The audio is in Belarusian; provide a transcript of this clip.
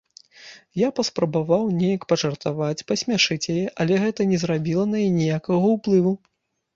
Я паспрабаваў неяк пажартаваць, пасмяшыць яе, але гэта не зрабіла на яе ніякага ўплыву.